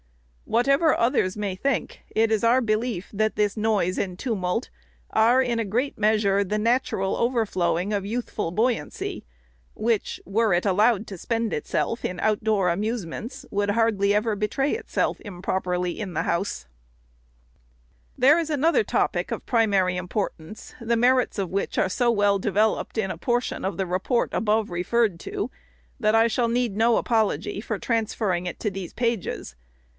Whatever others may think, it is our belief, that this noise and tumult are, in a great measure, the natural overflowing of youthful buoyancy, which, were it allowed to spend itself in out door amusements, would hardly ever betray itself improperly in the house." 476 REPORT OF THE SECRETARY There is another topic of primary importance, the merits of which are so well developed in a portion of the Report above referred to, that I shall need no apology for transferring it to these pages.